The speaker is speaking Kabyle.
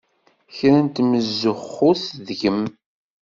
Kra n temzuxxut deg-m!